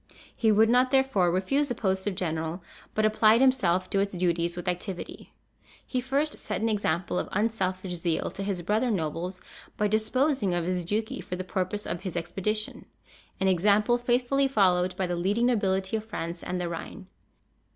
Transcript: He would not, therefore, refuse the post of general, but applied himself to its duties with activity. He first set an example of unselfish zeal to his brother nobles, by disposing of his duchy for the purpose of his expedition, an example faithfully followed by the leading nobility of France and the Rhine.